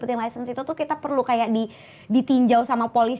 terus terus terus gue jadi salah fokus